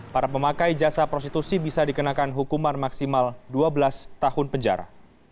para pemakai jasa prostitusi bisa dikenakan hukuman maksimal dua belas tahun penjara